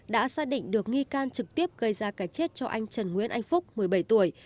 đã xác định được nghi can trực tiếp gây ra cái chết cho anh trần nguyễn anh phúc một mươi bảy tuổi